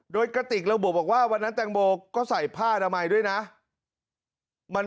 โดยกระติกระบุบอกว่าวันนั้นแตงโมก็ใส่ผ้าอนามัยด้วยนะ